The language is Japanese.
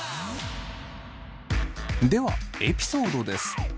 ではエピソードです。